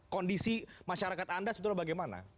kondisi masyarakat anda sebetulnya bagaimana